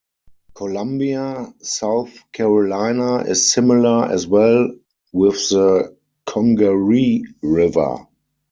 Columbia, South Carolina is similar as well with the Congaree River.